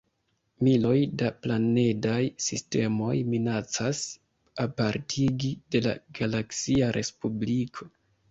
Miloj da planedaj sistemoj minacas apartigi de la galaksia respubliko.